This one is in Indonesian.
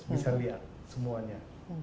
bisa lihat semuanya